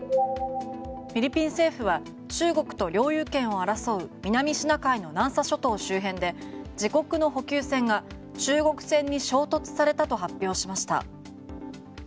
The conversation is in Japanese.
フィリピン政府は中国と領有権を争う南シナ海の南沙諸島周辺で自国の補給船が中国船に衝突されたと発表しました。